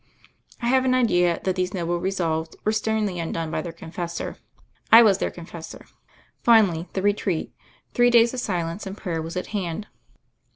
I have an idea that these noble resolves were sternly undone by their con fessor. I was their confessor. Finally, the retreat — three days of silence and prayer — was at hand.